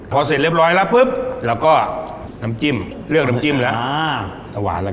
พอเสร็จเรียบร้อยแล้วปุ๊บเราก็น้ำจิ้มเลือกน้ำจิ้มแล้ว